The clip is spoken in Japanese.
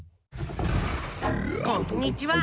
こんにちは！